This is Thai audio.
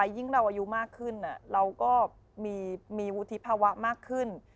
ยิ่งเราอายุมากขึ้นเราก็มีวุฒิภาวะมากขึ้น